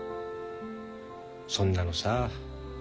そんなのさあ